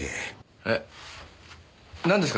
えっなんですか？